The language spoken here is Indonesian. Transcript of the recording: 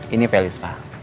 ini pelis pak